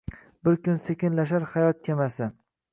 Bir kun sekinlashar xayot kemasi